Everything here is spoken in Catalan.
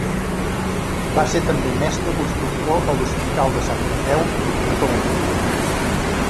Va ser també mestre constructor a l'Hospital de Santa Creu de Toledo.